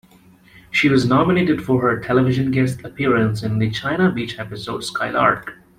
She was nominated for her television guest appearance in the "China Beach" episode, "Skylark".